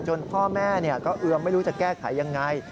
พ่อแม่ก็เอือมไม่รู้จะแก้ไขยังไง